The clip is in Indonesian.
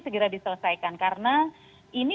segera diselesaikan karena ini